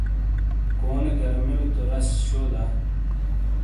کونے گرامیلو تو راس، شو دا؟